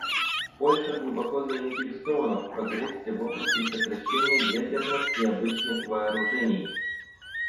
Польша глубоко заинтересована в прогрессе в области сокращения ядерных и обычных вооружений.